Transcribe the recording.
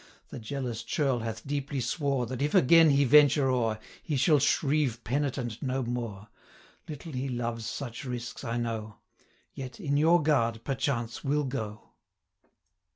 The jealous churl hath deeply swore, 360 That, if again he venture o'er, He shall shrieve penitent no more. Little he loves such risks, I know; Yet, in your guard, perchance will go.'